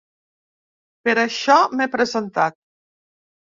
Per això m’he presentat.